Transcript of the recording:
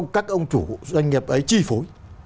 các ông chủ doanh nghiệp ấy chi phối